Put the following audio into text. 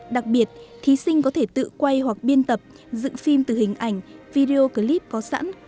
đặc biệt thí sinh có thể tự quay hoặc biên tập dựng phim từ hình ảnh videoclip có sẵn